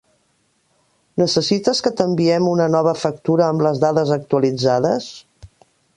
Necessites que t'enviem una nova factura amb les dades actualitzades?